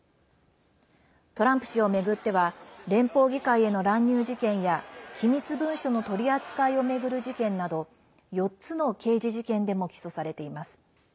トランプ氏を巡っては連邦議会への乱入事件や機密文書の取り扱いを巡る事件など４つの刑事事件でも起訴されています。